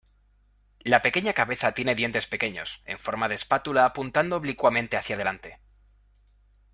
La pequeña cabeza tiene dientes pequeños, en forma de espátula apuntando oblicuamente hacia delante.